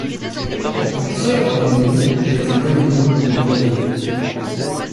Le contraire d'un ennemi est un ami ou un allié.